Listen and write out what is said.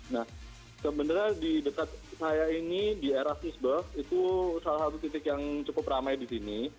nah sebenarnya di dekat saya ini di era fisberg itu salah satu titik yang cukup ramai di sini